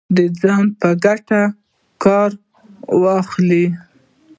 د ځان په ګټه کار واخلي